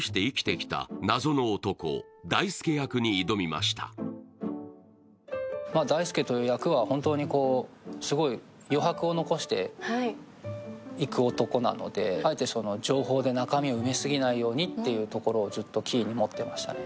演じた感想は大祐という役は本当にすごい余白を残していく男なのであえて情報で中身を埋めすぎないようにというのをずっとキーに持ってましたね。